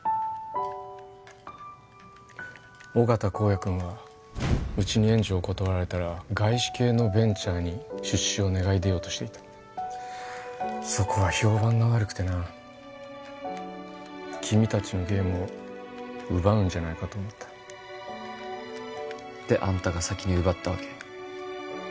緒方公哉君はうちに援助を断られたら外資系のベンチャーに出資を願い出ようとしていたそこは評判が悪くてな君達のゲームを奪うんじゃないかと思ったであんたが先に奪ったわけ？